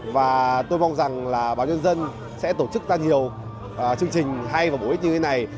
và tôi mong rằng là báo nhân dân sẽ tổ chức ra nhiều chương trình hay và bổ ích như thế này